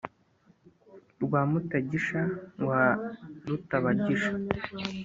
Rwa Mutagisha wa rutabagisha